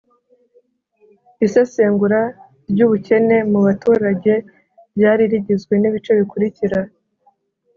isesengura ry'ubukene mu baturage ryari rigizwe n'ibice bikurikira: